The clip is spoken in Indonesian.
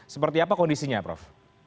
seperti apa kondisinya prof